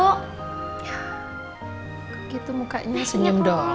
kikitu mukanya senyum dong